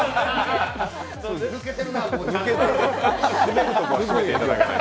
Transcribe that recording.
抜けてるなと思った。